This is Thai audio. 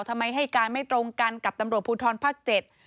ทำไมให้การไม่ตรงกันกับตำรวจภูทรภาคเจ็ด